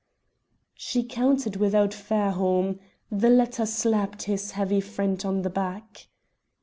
She counted without Fairholme. The latter slapped his heavy friend on the back.